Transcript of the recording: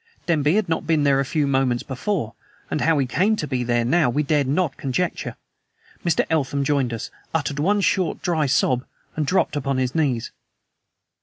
Denby had not been there a few moments before, and how he came to be there now we dared not conjecture. Mr. Eltham joined us, uttered one short, dry sob, and dropped upon his knees.